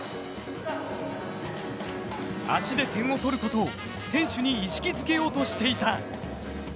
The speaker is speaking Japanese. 足で点を取ることを選手に意識づけようとしていた。